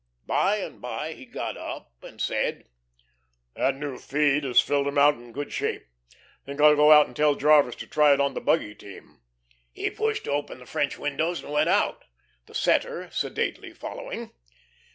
By and by he got up and said: "That new feed has filled 'em out in good shape. Think I'll go out and tell Jarvis to try it on the buggy team." He pushed open the French windows and went out, the setter sedately following.